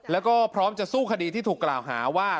แล้วก็พร้อมจะสู้คดีที่ถูกกล่าวหาว่า